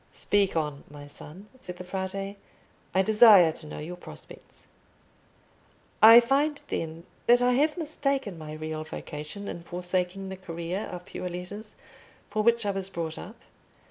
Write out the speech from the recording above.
"Speak on, my son," said the Frate; "I desire to know your prospects." "I find, then, that I have mistaken my real vocation in forsaking the career of pure letters, for which I was brought up.